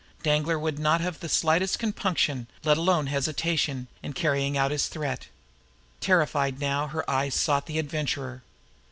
Danglar would not have the slightest compunction, let alone hesitation, in carrying out his threat. Terrified now, her eyes sought the Adventurer.